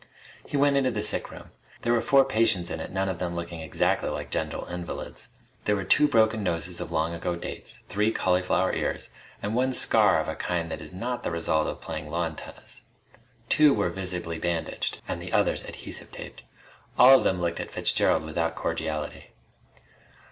He went into the sick room. There were four patients in it, none of them looking exactly like gentle invalids. There were two broken noses of long ago dates, three cauliflower ears, and one scar of a kind that is not the result of playing lawn tennis. Two were visibly bandaged, and the others adhesive taped. All of them looked at Fitzgerald without cordiality.